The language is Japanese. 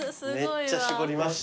めっちゃ絞りました。